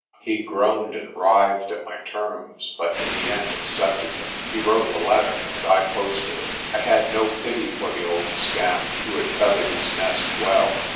He groaned and writhed at my terms, but in the end accepted them. He wrote the letter, and I posted it. I had no pity for the old scamp, who had feathered his nest well.